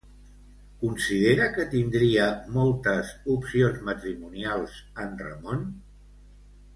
Considera que tindria moltes opcions matrimonials en Ramon?